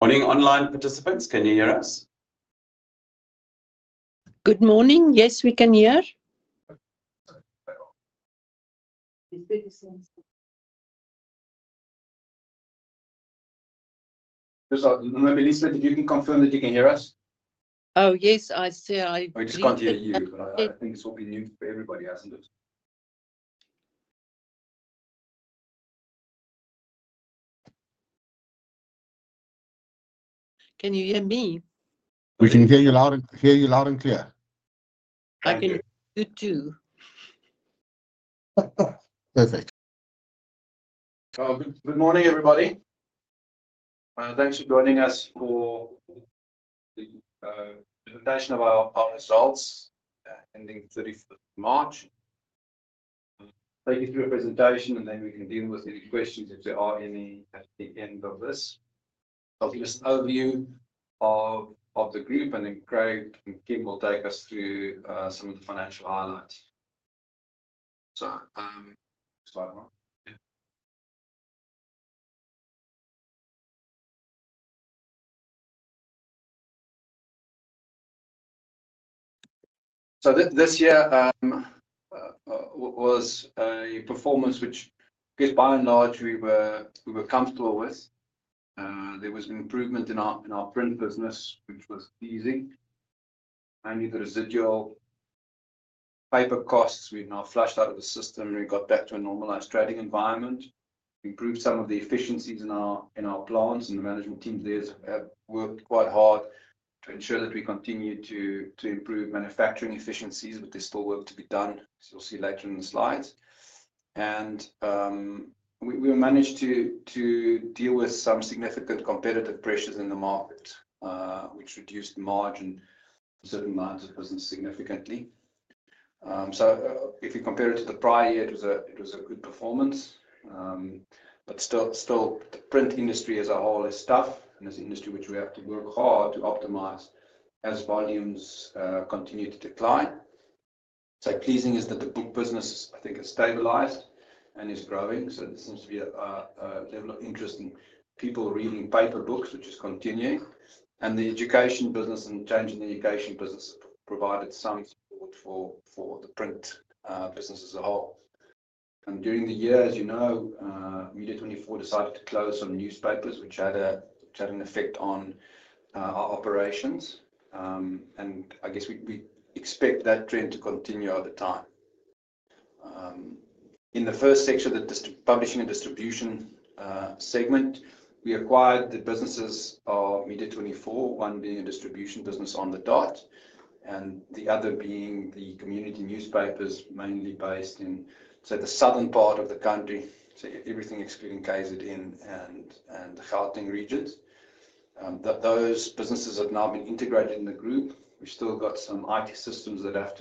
Morning, online participants. Can you hear us? Good morning. Yes, we can hear. Maybe Lisbeth, if you can confirm that you can hear us. Oh, yes, I see. I just can't hear you, but I think it's probably new for everybody, isn't it? Can you hear me? We can hear you loud and clear. I can hear you too. Perfect. Good morning, everybody. Thanks for joining us for the presentation of our results ending 31st March. I'll take you through a presentation, and then we can deal with any questions if there are any at the end of this. I'll give us an overview of the group, and then Craig and Kim will take us through some of the financial highlights. This year was a performance which, by and large, we were comfortable with. There was an improvement in our print business, which was easy. Only the residual paper costs we've now flushed out of the system, and we got back to a normalised trading environment. Improved some of the efficiencies in our plants, and the Management teams there have worked quite hard to ensure that we continue to improve manufacturing efficiencies, but there's still work to be done, as you'll see later in the slides. We managed to deal with some significant competitive pressures in the market, which reduced margin for certain lines of business significantly. If you compare it to the prior year, it was a good performance. Still, the print industry as a whole is tough, and it's an industry which we have to work hard to optimise as volumes continue to decline. Pleasing is that the book business, I think, has stabilized and is growing. There seems to be a level of interest in people reading paper books, which is continuing. The education business and changing the education business provided some support for the print business as a whole. During the year, as you know, Media24 decided to close some newspapers, which had an effect on our operations. I guess we expect that trend to continue over time. In the first section of the publishing and distribution segment, we acquired the businesses of Media24, one being a distribution business, On the Dot, and the other being the community newspapers, mainly based in the Southern part of the country, so everything excluding KZN and the Gauteng regions. Those businesses have now been integrated in the group. We've still got some IT systems that have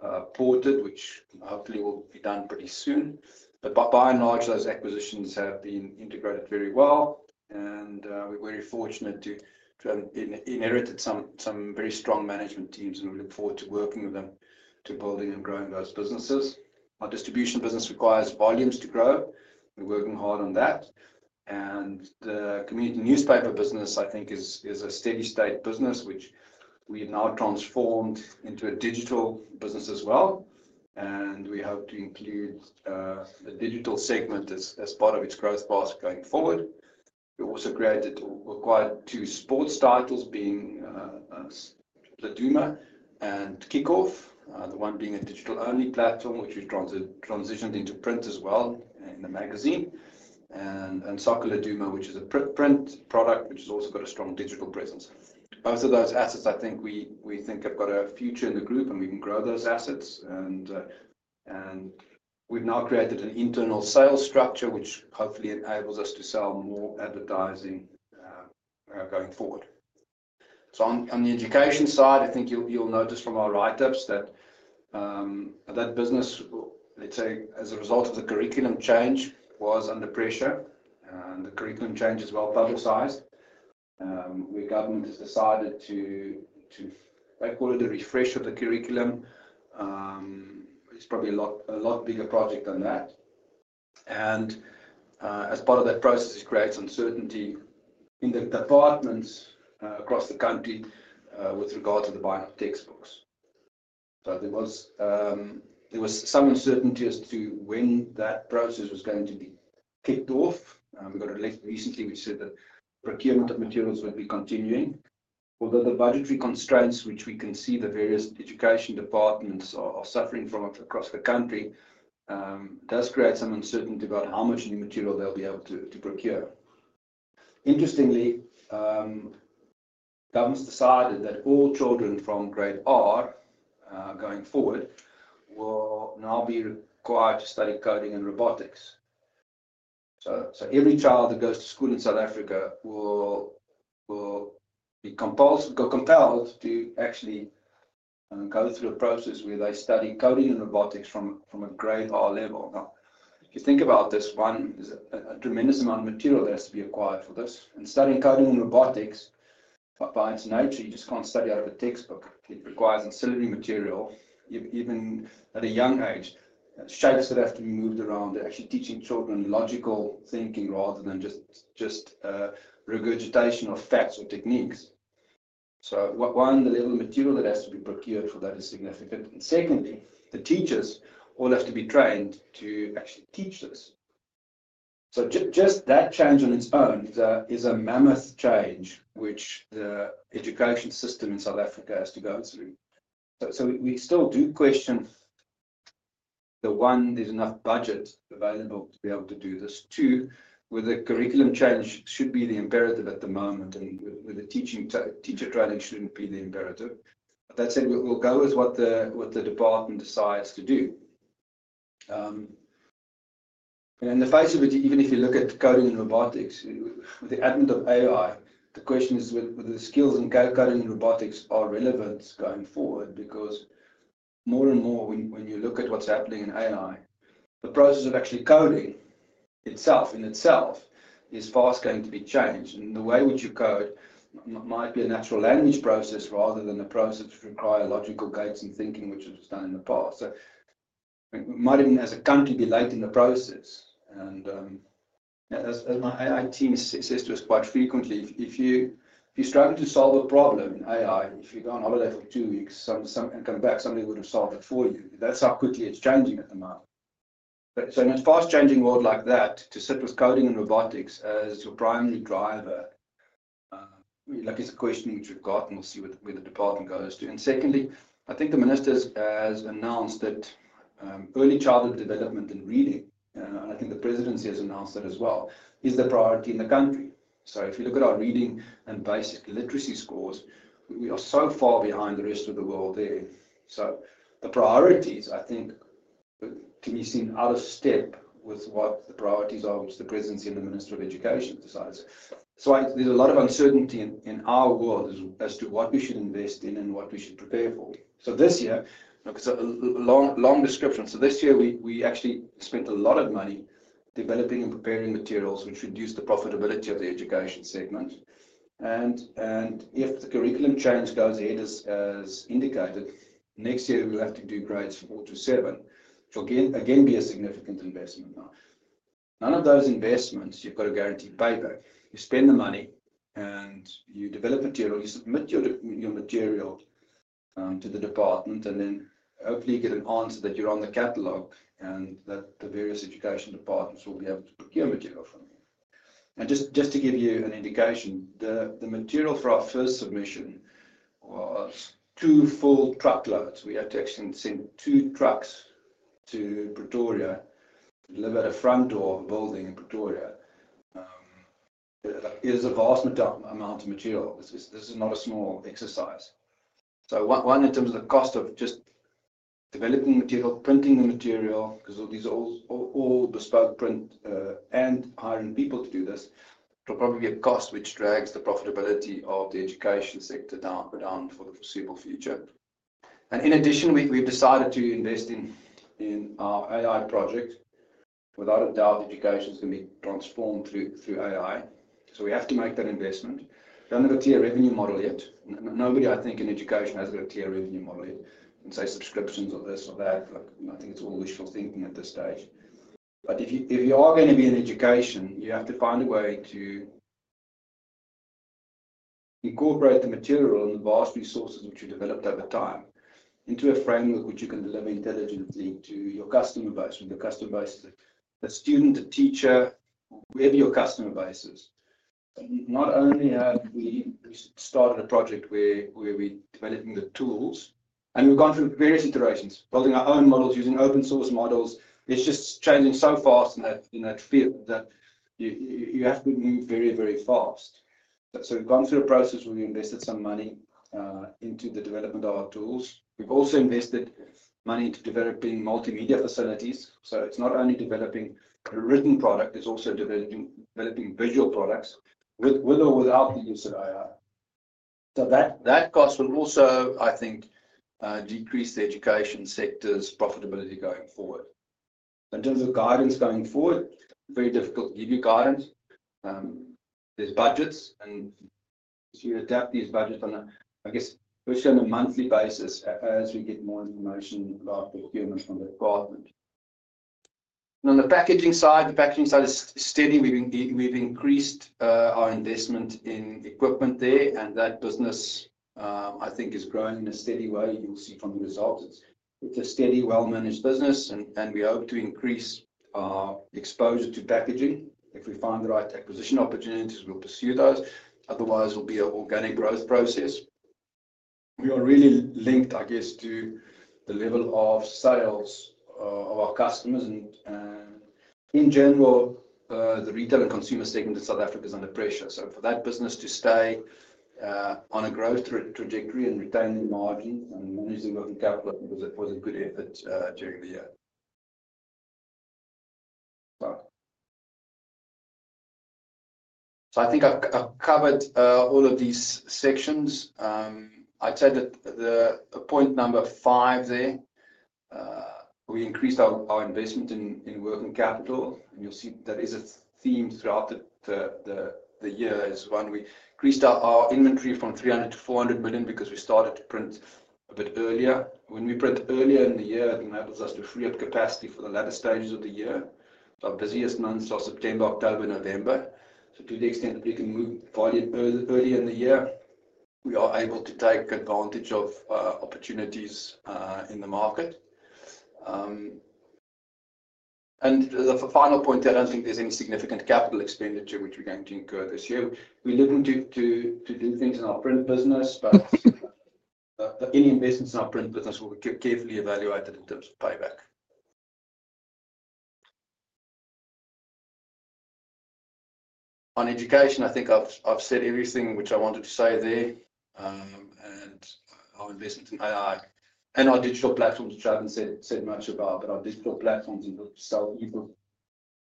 to be ported, which hopefully will be done pretty soon. By and large, those acquisitions have been integrated very well. We're very fortunate to have inherited some very strong management teams, and we look forward to working with them to building and growing those businesses. Our distribution business requires volumes to grow. We're working hard on that. The community newspaper business, I think, is a steady-state business, which we have now transformed into a Digital business as well. We hope to include the Digital segment as part of its growth path going forward. We also acquired two sports titles, being Laduma and KickOff, the one being a digital-only platform, which we've transitioned into print as well in the magazine, and Soccer Laduma, which is a print product, which has also got a strong digital presence. Both of those assets, I think, we think have got a future in the group, and we can grow those assets. We have now created an internal sales structure, which hopefully enables us to sell more advertising going forward. On the education side, I think you'll notice from our write-ups that that business, let's say, as a result of the curriculum change, was under pressure. The curriculum change is well publicized. The government has decided to, I call it a refresh of the curriculum. It's probably a lot bigger project than that. As part of that process, it creates uncertainty in the departments across the country with regard to the buying of textbooks. There was some uncertainty as to when that process was going to be kicked off. We got a letter recently which said that procurement of materials would be continuing. Although the budgetary constraints which we can see the various education departments are suffering from across the country does create some uncertainty about how much new material they'll be able to procure. Interestingly, government has decided that all children from Grade R going forward will now be required to study Coding and Robotics. Every child that goes to school in South Africa will be compelled to actually go through a process where they study Coding and Robotics from a Grade R level. Now, if you think about this, one, there's a tremendous amount of material that has to be acquired for this. Studying Coding and Robotics, by its nature, you just can't study out of a textbook. It requires ancillary material, even at a young age. Shapes that have to be moved around. They're actually teaching children logical thinking rather than just regurgitation of facts or techniques. One, the level of material that has to be procured for that is significant. Secondly, the teachers all have to be trained to actually teach this. Just that change on its own is a mammoth change which the education system in South Africa has to go through. We still do question, one, whether there is enough budget available to be able to do this. Two, whether the curriculum change should be the imperative at the moment, and the teacher training should not be the imperative. That said, we will go with what the department decides to do. In the face of it, even if you look at Coding and Robotics, with the advent of AI, the question is, will the skills in Coding and Robotics be relevant going forward? Because more and more, when you look at what's happening in AI, the process of actually coding itself is fast going to be changed. The way which you code might be a natural language process rather than a process which requires logical gates and thinking, which was done in the past. We might even, as a country, be late in the process. As my AI team says to us quite frequently, if you're struggling to solve a problem in AI, if you go on holiday for two weeks and come back, somebody would have solved it for you. That's how quickly it's changing at the moment. In a fast-changing world like that, to sit with Coding and Robotics as your primary driver, it's a question which we've got, and we'll see where the department goes to. Secondly, I think the ministers have announced that early childhood development and reading, and I think the presidency has announced that as well, is the priority in the country. If you look at our reading and basic literacy scores, we are so far behind the rest of the world there. The priorities, I think, can be seen out of step with what the priorities are, which the Presidency and the Minister of Education decides. There is a lot of uncertainty in our world as to what we should invest in and what we should prepare for. This year, long description. This year, we actually spent a lot of money developing and preparing materials which reduce the profitability of the Education segment. If the curriculum change goes ahead as indicated, next year, we'll have to do Grades four to seven, which will again be a significant investment. None of those investments, you've got to guarantee payback. You spend the money, and you develop material. You submit your material to the department, and then hopefully you get an answer that you're on the Catalogue and that the various education departments will be able to procure material from you. Just to give you an indication, the material for our first submission was two full truckloads. We had to actually send two trucks to Pretoria to deliver at a front door building in Pretoria. It is a vast amount of material. This is not a small exercise. One, in terms of the cost of just developing material, printing the material, because these are all bespoke print and hiring people to do this, there'll probably be a cost which drags the profitability of the Education sector down for the foreseeable future. In addition, we've decided to invest in our AI project. Without a doubt, Education is going to be transformed through AI. We have to make that investment. We haven't got a clear revenue model yet. Nobody, I think, in education has got a clear revenue model yet. You can say subscriptions or this or that. I think it's all wishful thinking at this stage. If you are going to be in Education, you have to find a way to incorporate the material and the vast resources which you developed over time into a framework which you can deliver intelligently to your customer base, from your customer base to a student, a teacher, whoever your customer base is. Not only have we started a project where we're developing the tools, and we've gone through various iterations, building our own models, using open-source models. It's just changing so fast in that you have to move very, very fast. We have gone through a process where we invested some money into the development of our tools. We have also invested money into developing multimedia facilities. It is not only developing a written product, it is also developing visual products with or without the use of AI. That cost will also, I think, decrease the education sector's profitability going forward. In terms of guidance going forward, very difficult to give you guidance. There are budgets, and we adapt these budgets on a, I guess, virtually on a monthly basis as we get more information about procurement from the department. On the packaging side, the packaging side is steady. We've increased our investment in equipment there, and that business, I think, is growing in a steady way. You'll see from the results. It's a steady, well-managed business, and we hope to increase our exposure to packaging. If we find the right acquisition opportunities, we'll pursue those. Otherwise, it will be an organic growth process. We are really linked, I guess, to the level of sales of our customers. In general, the Retail and Consumer segment in South Africa is under pressure. For that business to stay on a growth trajectory and retain margins and manage their Working Capital was a good effort during the year. I think I've covered all of these sections. I'd say that point number five there, we increased our investment in Working Capital. You'll see that is a theme throughout the year is when we increased our inventory from 300 million to 400 million because we started to print a bit earlier. When we print earlier in the year, it enables us to free up capacity for the latter stages of the year. Our busiest months are September, October, November. To the extent that we can move volume earlier in the year, we are able to take advantage of opportunities in the market. The final point here, I don't think there's any significant capital expenditure which we're going to incur this year. We're looking to do things in our print business, but any investments in our print business will be carefully evaluated in terms of payback. On Education, I think I've said everything which I wanted to say there. And our investment in AI and our digital platforms, which I haven't said much about, but our digital platforms and look to sell e-books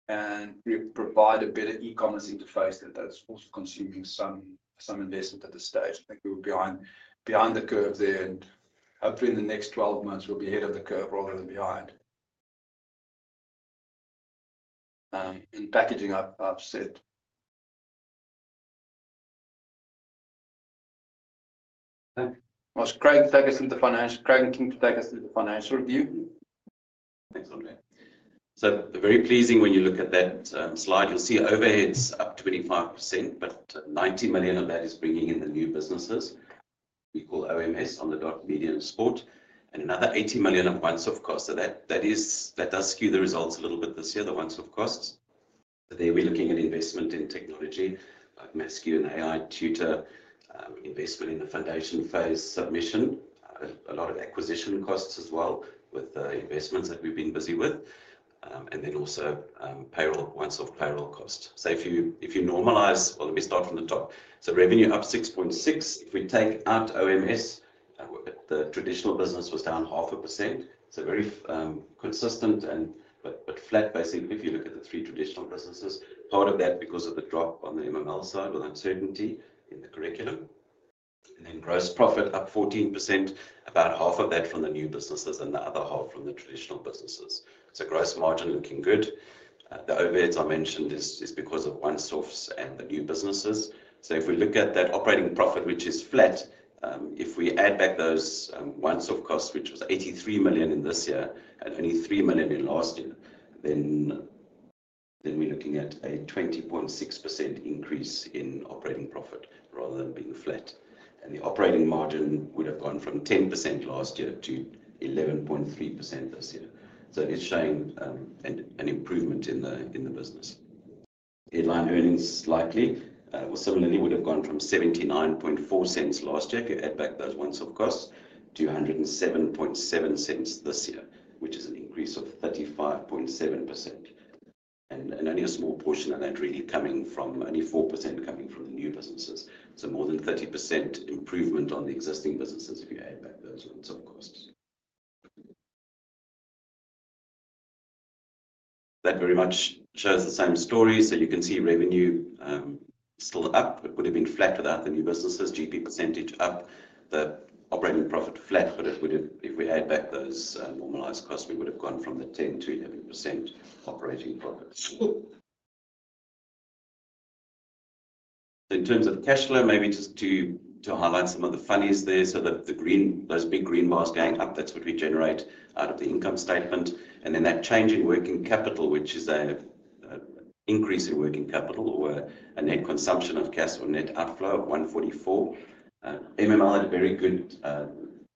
and provide a better e-commerce interface that's also consuming some investment at this stage. I think we were behind the curve there. Hopefully, in the next 12 months, we'll be ahead of the curve rather than behind. Packaging, I've said. Craig will take us through the financial. Craig can take us through the financial review. Excellent. Very pleasing when you look at that slide. You'll see overheads up 25%, but 90 million of that is bringing in the new businesses. We call OMS on the Multimedia and Sport. Another 80 million of one-stop costs. That does skew the results a little bit this year, the one-stop costs. There we are looking at investment in technology, like Mustek and AI Tutor, investment in the Foundation Phase Submission, a lot of acquisition costs as well with the investments that we have been busy with. Also, one-stop payroll costs. If you normalize, let me start from the top. Revenue up 6.6%. If we take out OMS, the traditional business was down 0.5%. Very consistent, but flat, basically, if you look at the three traditional businesses. Part of that is because of the drop on the MML side with uncertainty in the curriculum. Gross profit up 14%, about half of that from the new businesses and the other half from the traditional businesses. Gross Margin looking good. The overheads I mentioned is because of one-stops and the new businesses. If we look at that operating profit, which is flat, if we add back those one-stop costs, which was 83 million in this year and only 3 million in last year, then we're looking at a 20.6% increase in operating profit rather than being flat. The Operating Margin would have gone from 10% last year to 11.3% this year. It is showing an improvement in the business. Headline Earnings likely will similarly would have gone from 0.794 last year if you add back those one-stop costs to 1.077 this year, which is an increase of 35.7%. Only a small portion of that really coming from only 4% coming from the new businesses. More than 30% improvement on the existing businesses if you add back those one-stop costs. That very much shows the same story. You can see revenue still up. It would have been flat without the new businesses. GP percentage up. The operating profit flat, but if we add back those normalized costs, we would have gone from the 10% to 11% operating profit. In terms of cash flow, maybe just to highlight some of the funniest there. Those big green bars going up, that's what we generate out of the income statement. That change in Working Capital, which is an increase in Working Capital or a net consumption of cash or net outflow of 144. MML had a very good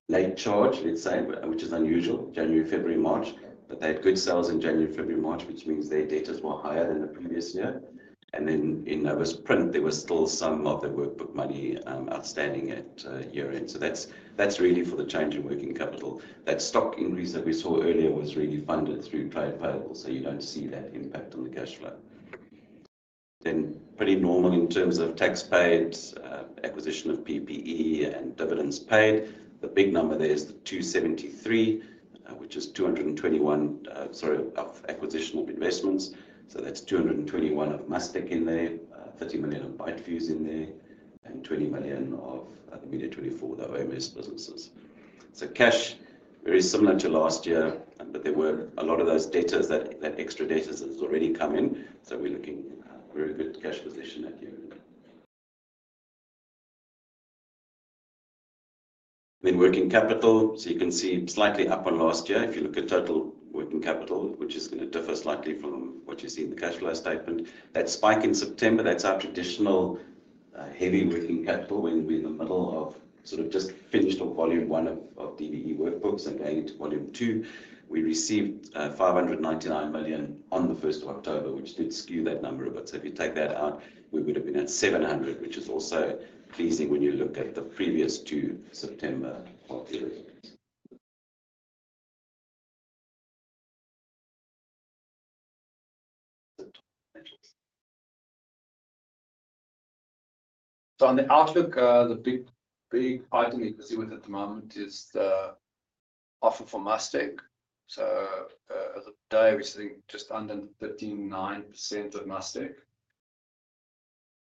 late charge, let's say, which is unusual, January, February, March. They had good sales in January, February, March, which means their debt is more higher than the previous year. In Novus, there was still some of the workbook money outstanding at year-end. That is really for the change in Working Capital. That stock increase that we saw earlier was really funded through trade payables, so you do not see that impact on the cash flow. Pretty normal in terms of tax paid, acquisition of PPE, and dividends paid. The big number there is the 273, which is 221, sorry, of acquisition of investments. That is 221 of Mustek in there, 30 million of ByteFuse in there, and 20 million of the Media24, the OMS businesses. Cash, very similar to last year, but there were a lot of those debts, that extra debt has already come in. We're looking at a very good cash position at year-end. Then Working Capital. You can see slightly up on last year. If you look at total Working Capital, which is going to differ slightly from what you see in the cash flow statement, that spike in September, that's our traditional heavy Working Capital. We're in the middle of sort of just finished up volume one of DBE Workbooks and going into volume two. We received 599 million on the 1st of October, which did skew that number a bit. If you take that out, we would have been at 700 million, which is also pleasing when you look at the previous two September. On the outlook, the big item you can see at the moment is the offer for Mustek. As of today, we're sitting just under 39% of Mustek.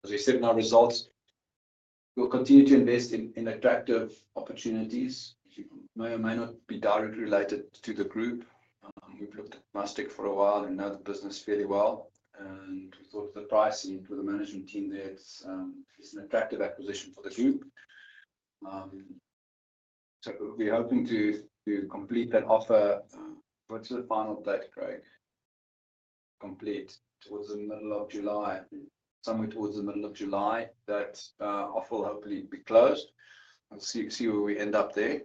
As we said in our results, we'll continue to invest in attractive opportunities. May or may not be directly related to the group. We've looked at Mustek for a while and know the business fairly well. We thought of the pricing for the Management team there. It's an attractive acquisition for the group. We're hoping to complete that offer. What's the final date, Craig? Complete towards the middle of July, somewhere towards the middle of July, that offer will hopefully be closed. We'll see where we end up there.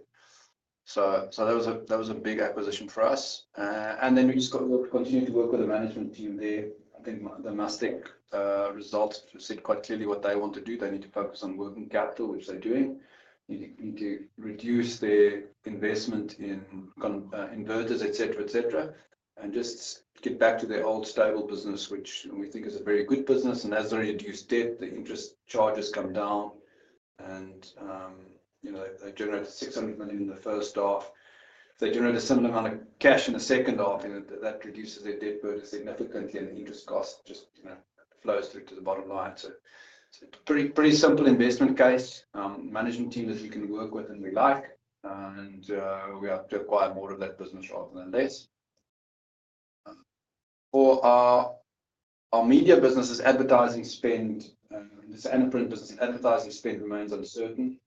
That was a big acquisition for us. We just got to continue to work with the Management team there. I think the Mustek results have said quite clearly what they want to do. They need to focus on Working Capital, which they're doing. Need to reduce their investment in inverters, etc., etc. They just get back to their old stable business, which we think is a very good business. As they reduce debt, the interest charges come down. They generated $600 million in the first half. They generated a similar amount of cash in the second half. That reduces their debt burden significantly. The interest cost just flows through to the bottom line. It is a pretty simple investment case. Management team that you can work with and we like. We hope to acquire more of that business rather than less. For our Media businesses, advertising spend, this anaprint business, advertising spend remains uncertain.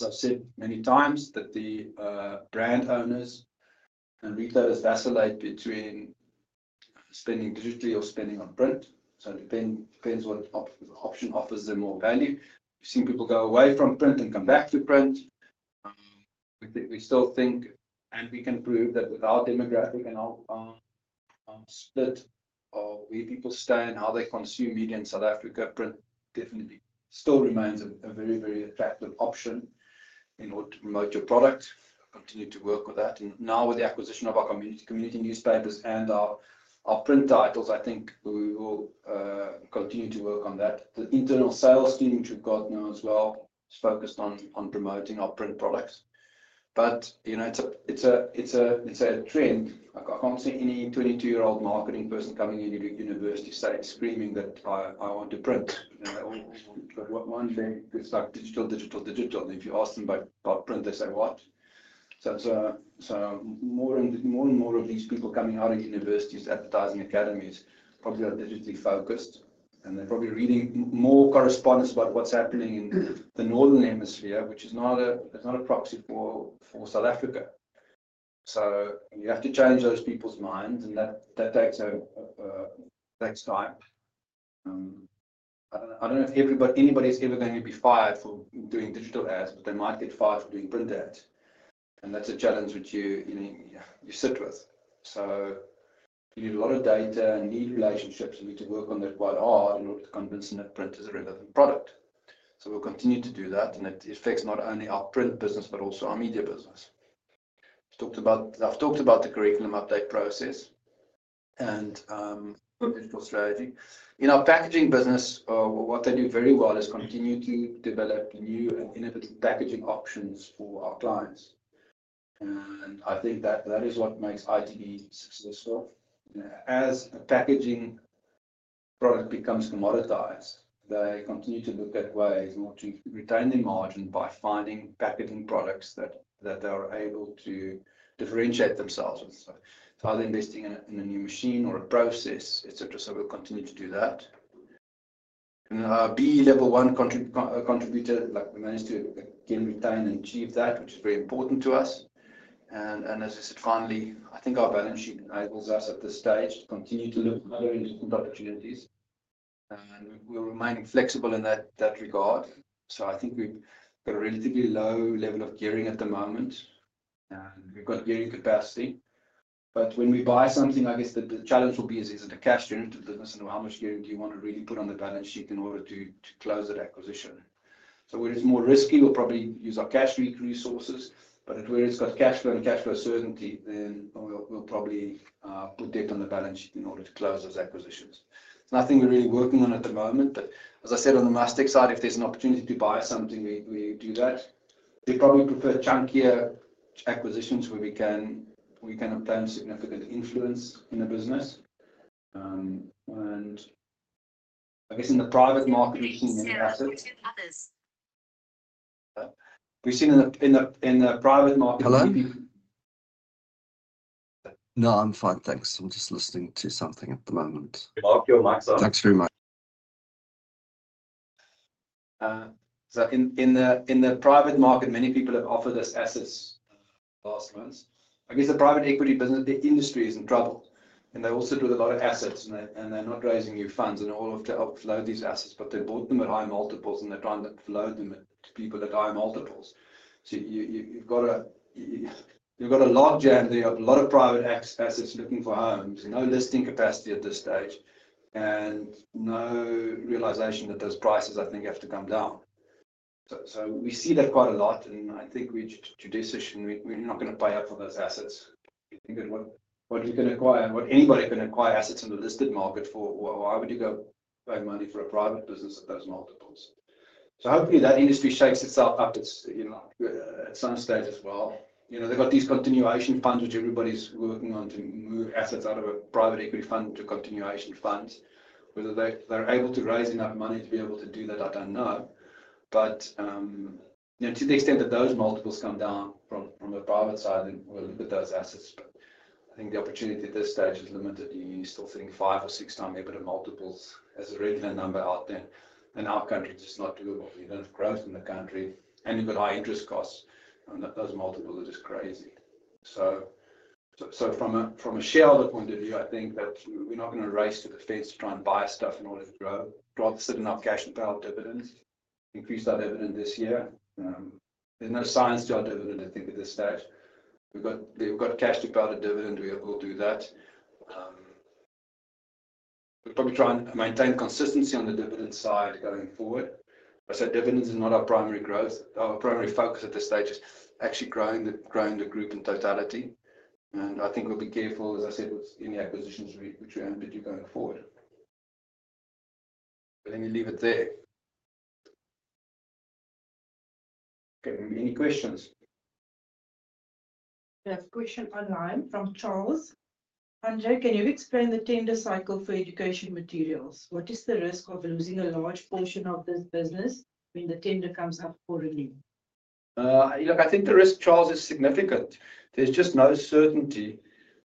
As I have said many times, the brand owners and retailers vacillate between spending digitally or spending on print. It depends what option offers them more value. We have seen people go away from print and come back to print. We still think. We can prove that with our demographic and our split of where people stay and how they consume media in South Africa, print definitely still remains a very, very attractive option in order to promote your product. We continue to work with that. Now with the acquisition of our community newspapers and our print titles, I think we will continue to work on that. The internal sales team which we've got now as well is focused on promoting our print products. It's a trend. I can't see any 22-year-old marketing person coming into a university site screaming that I want to print. One day they start digital, digital, digital. If you ask them about print, they say, "What?" More and more of these people coming out of universities, advertising academies, probably are digitally focused. They are probably reading more correspondence about what is happening in the Northern Hemisphere, which is not a proxy for South Africa. You have to change those people's minds. That takes time. I do not know if anybody is ever going to be fired for doing digital ads, but they might get fired for doing print ads. That is a challenge which you sit with. You need a lot of data and need relationships. You need to work on that quite hard in order to convince them that print is a relevant product. We will continue to do that. It affects not only our print business, but also our Media business. I have talked about the curriculum update process and digital strategy. In our packaging business, what they do very well is continue to develop new and innovative packaging options for our clients. I think that is what makes ITB successful. As a packaging product becomes commoditized, they continue to look at ways in order to retain their margin by finding packaging products that they're able to differentiate themselves with. Either investing in a new machine or a process, etc. We'll continue to do that. Our BEE Level 1 contributor, we managed to again retain and achieve that, which is very important to us. As I said, finally, I think our balance sheet enables us at this stage to continue to look at other interesting opportunities. We're remaining flexible in that regard. I think we've got a relatively low level of gearing at the moment. We've got gearing capacity. When we buy something, I guess the challenge will be, is it a cash-generated business? How much gearing do you want to really put on the balance sheet in order to close that acquisition? Where it's more risky, we'll probably use our cash-weak resources. Where it's got cash-flow and cash-flow certainty, then we'll probably put debt on the balance sheet in order to close those acquisitions. It's nothing we're really working on at the moment. As I said, on the Mustek side, if there's an opportunity to buy something, we do that. We probably prefer chunkier acquisitions where we can obtain significant influence in the business. I guess in the private market, we've seen many assets. We've seen in the private market. Hello? No, I'm fine. Thanks. I'm just listening to something at the moment. Mark, your mic's on. Thanks very much. In the private market, many people have offered us assets last month. I guess the private equity industry is in trouble. They also do a lot of assets. They're not raising new funds. They all have to outflow these assets. They bought them at high multiples. They're trying to outflow them to people at high multiples. You have a logjam there. You have a lot of private assets looking for homes. No listing capacity at this stage. No realisation that those prices, I think, have to come down. We see that quite a lot. I think we're judicious. We're not going to pay up for those assets. What are you going to acquire? What anybody can acquire assets in the listed market for? Why would you go pay money for a private business at those multiples? Hopefully, that industry shakes itself up at some stage as well. They've got these continuation funds, which everybody's working on to move assets out of a private equity fund to continuation funds. Whether they're able to raise enough money to be able to do that, I don't know. To the extent that those multiples come down from the private side, then we'll look at those assets. I think the opportunity at this stage is limited. You're still sitting or six-time EBITDA multiples as a regular number out there. In our country, it is just not doable. We don't have growth in the country. You've got high interest costs. Those multiples are just crazy. From a shareholder point of view, I think that we're not going to race to the fence to try and buy stuff in order to grow. Rather sit in our cash and pay out dividends, increase our dividend this year. There's no science to our dividend, I think, at this stage. We've got cash to pay out a dividend. We'll do that. We'll probably try and maintain consistency on the dividend side going forward. I said dividends are not our primary growth. Our primary focus at this stage is actually growing the group in totality. I think we'll be careful, as I said, with any acquisitions which we're going to do going forward. Let me leave it there. Any questions? We have a question online from Charles. [Andrea,] can you explain the Tender Cycle for education materials? What is the risk of losing a large portion of this business when the tender comes up for renew? Look, I think the risk, Charles, is significant. There's just no certainty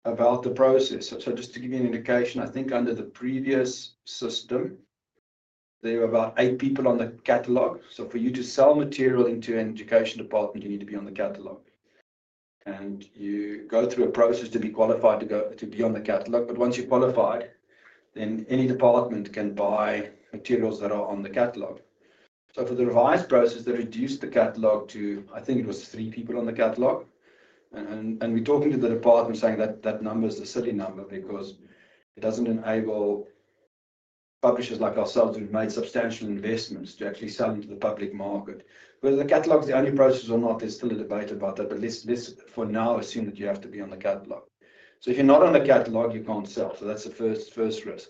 about the process. Just to give you an indication, I think under the previous system, there were about eight people on the Catalogue. For you to sell material into an education department, you need to be on the Catalogue. You go through a process to be qualified to be on the Catalogue. Once you're qualified, then any department can buy materials that are on the Catalogue. For the revised process, they reduced the Catalogue to, I think it was three people on the Catalogue. We're talking to the department, saying that number is a silly number because it doesn't enable publishers like ourselves, who've made substantial investments, to actually sell into the public market. Whether the Catalogue is the only process or not, there's still a debate about that. For now, assume that you have to be on the Catalogue. If you're not on the Catalogue, you can't sell. That's the first risk.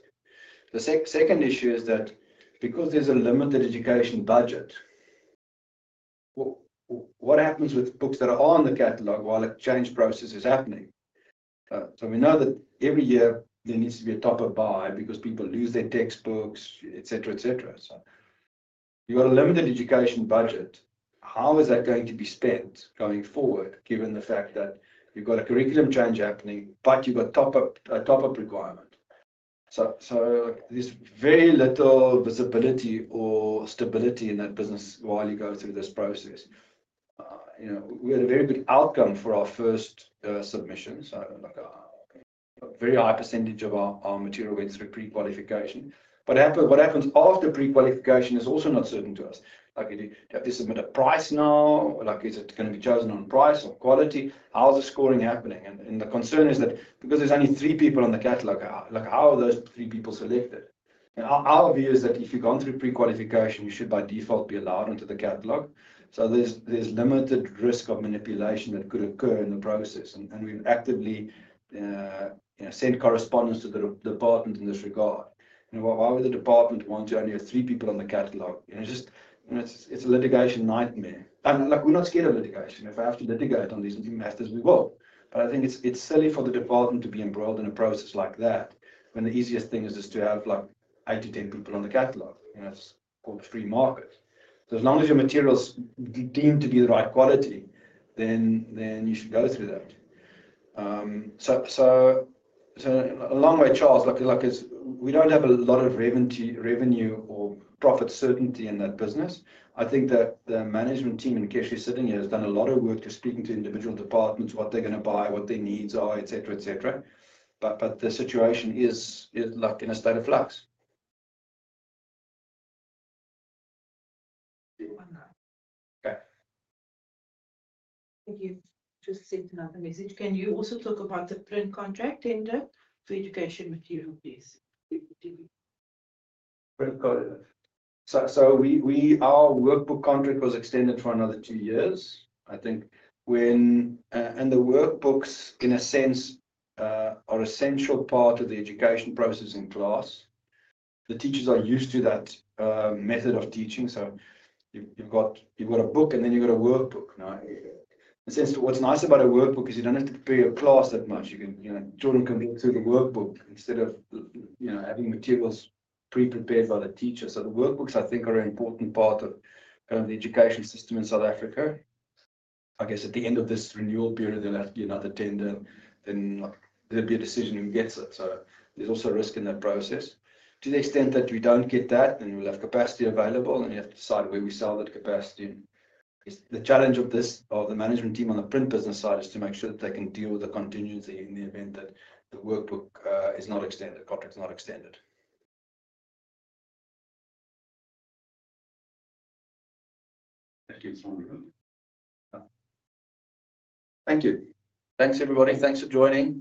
The second issue is that because there's a limited education budget, what happens with books that are on the Catalogue while a change process is happening? We know that every year, there needs to be a top-up buy because people lose their textbooks, etc., etc. You've got a limited education budget. How is that going to be spent going forward, given the fact that you've got a curriculum change happening, but you've got a top-up requirement? There's very little visibility or stability in that business while you go through this process. We had a very good outcome for our first submission. A very high percentage of our material went through pre-qualification. What happens after pre-qualification is also not certain to us. Do you have to submit a price now? Is it going to be chosen on price or quality? How's the scoring happening? The concern is that because there's only three people on the Catalogue, how are those three people selected? Our view is that if you've gone through pre-qualification, you should by default be allowed into the Catalogue. There's limited risk of manipulation that could occur in the process. We've actively sent correspondence to the department in this regard. Why would the department want to only have three people on the Catalogue? It's a litigation nightmare. Look, we're not scared of litigation. If I have to litigate on these new masters, we will. I think it's silly for the department to be embroiled in a process like that when the easiest thing is to have eight to 10 people on the Catalogue. It's called free market. As long as your material's deemed to be the right quality, then you should go through that. Along with Charles, we don't have a lot of revenue or profit certainty in that business. I think that the Management team and cash sitting here has done a lot of work just speaking to individual departments, what they're going to buy, what their needs are, etc., etc. The situation is in a state of flux. Thank you. Just sent another message. Can you also talk about the print contract tender for education material piece? Our workbook contract was extended for another two years, I think. The workbooks, in a sense, are an essential part of the education process in class. The teachers are used to that method of teaching. You've got a book, and then you've got a workbook. In a sense, what's nice about a workbook is you don't have to prepare your class that much. Children can look through the workbook instead of having materials pre-prepared by the teacher. The workbooks, I think, are an important part of the education system in South Africa. I guess at the end of this renewal period, there'll have to be another tender. There'll be a decision who gets it. There's also a risk in that process. To the extent that we don't get that, then we'll have capacity available. We have to decide where we sell that capacity. The challenge of the Management team on the print business side is to make sure that they can deal with the contingency in the event that the workbook is not extended, the contract's not extended. Thank you. Thanks, everybody. Thanks for joining.